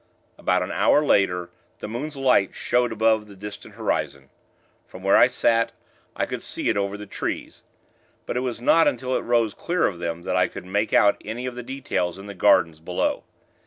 About an hour later, the moon's light showed above the distant horizon. From where I sat, I could see it over the trees; but it was not until it rose clear of them, that I could make out any of the details in the gardens below.